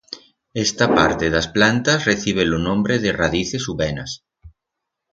Esta parte d'as plantas recibe lo nombre de radices u venas.